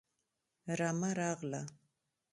رمه راغله